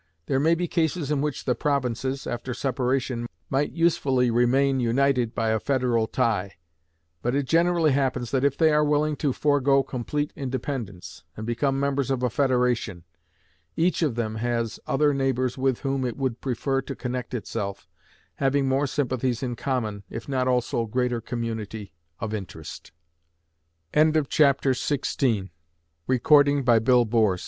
There may be cases in which the provinces, after separation, might usefully remain united by a federal tie; but it generally happens that if they are willing to forego complete independence, and become members of a federation, each of them has other neighbors with whom it would prefer to connect itself, having more sympathies in common, if not also greater community of interest. Chapter XVII Of Federal Representative Governments.